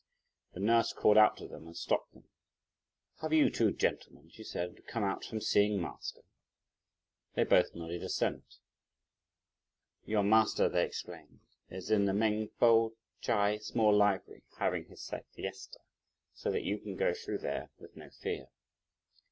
The nurse called out to them and stopped them, "Have you two gentlemen," she said, "come out from seeing master?" They both nodded assent. "Your master," they explained, "is in the Meng P'o Chai small library having his siesta; so that you can go through there with no fear."